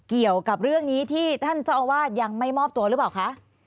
เกี่ยวกับเรื่องนี้ที่ท่านเจ้าอาวาสยังไม่มอบตัวหรือเปล่าคะ